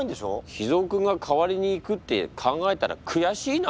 脾ぞうくんが代わりに行くって考えたら悔しいな。